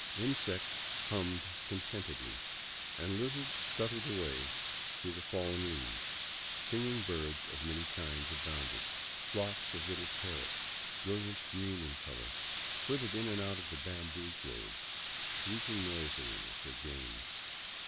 Insects hummed contentedly and lizards scuttled away through the fallen leaves. Singing birds of many kinds abounded; flocks of little parrots, brilliant green in color, flitted in and out of the bamboo groves, shrieking noisily at their games.